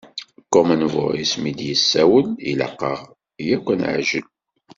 Common Voice mi d-yessawel, ilaq-aɣ yakk ad neɛǧel.